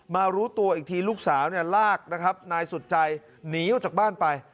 รู้ตัวอีกทีลูกสาวเนี่ยลากนะครับนายสุดใจหนีออกจากบ้านไป